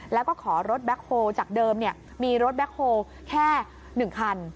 แล้วก็ขอรถแบ็คโฮลจากเดิมมีรถแบ็คโฮลแค่๑คัน